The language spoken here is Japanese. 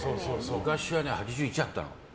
昔は８１あったの。